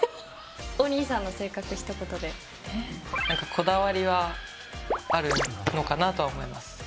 こだわりはあるのかなとは思います。